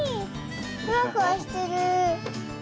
ふわふわしてる。